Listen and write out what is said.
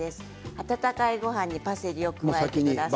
温かいごはんにパセリを加えてください。